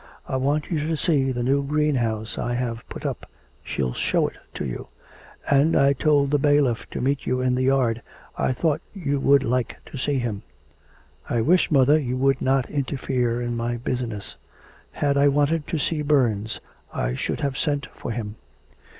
I want you to see the new greenhouse I have put up; she'll show it to you. And I told the bailiff to meet you in the yard. I thought you would like to see him.' 'I wish, mother, you would not interfere in my business; had I wanted to see Burns I should have sent for him.'